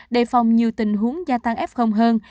đề phòng nhiều tình huống gia tăng f hơn